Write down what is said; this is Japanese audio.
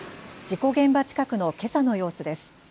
事故現場近くのけさの様子です。